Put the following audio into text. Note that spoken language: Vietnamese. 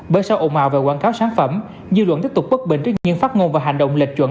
bởi sau ổn màu về quảng cáo sáng phẩm dư luận tiếp tục bất bình trước những phát ngôn và hành động lệch chuẩn